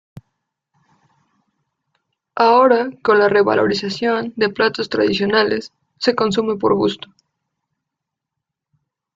Ahora, con la revalorización de platos tradicionales, se consume por gusto.